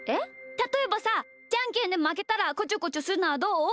たとえばさじゃんけんでまけたらこちょこちょするのはどう？